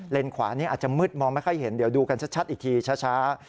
ขวานี้อาจจะมืดมองไม่ค่อยเห็นเดี๋ยวดูกันชัดอีกทีช้า